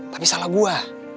tapi salah gue